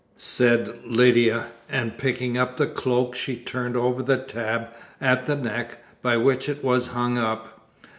said Lydia, and picking up the cloak she turned over the tab at the neck, by which it was hung up.